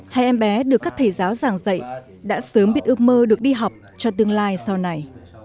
hai em bé được các thầy giáo giảng dạy đã sớm biết ước mơ được đi học cho tương lai sau này